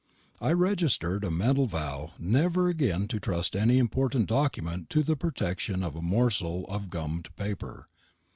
I registered a mental vow never again to trust any important document to the protection of a morsel of gummed paper.